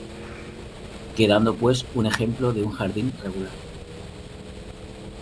Quedando pues un ejemplo de un jardín regular.